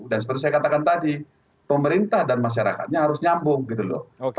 seperti saya katakan tadi pemerintah dan masyarakatnya harus nyambung gitu loh